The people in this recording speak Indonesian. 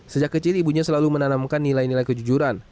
sejak kecil ibunya selalu menanamkan nilai nilai kejujuran